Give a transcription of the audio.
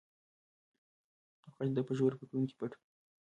غږ د ده په ژورو فکرونو کې پټ و.